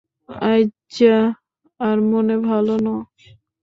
আইজ্জা আর মন ভালা নো।